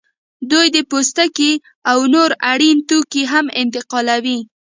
دوی د پوستکي او نور اړین توکي هم انتقالوي